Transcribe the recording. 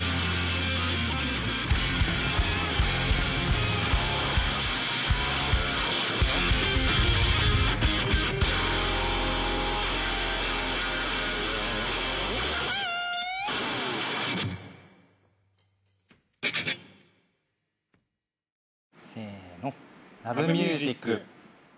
『Ｌｏｖｅｍｕｓｉｃ』！